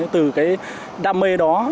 từ cái đam mê đó